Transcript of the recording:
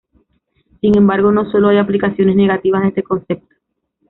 Sin embargo, no sólo hay aplicaciones negativas de este concepto.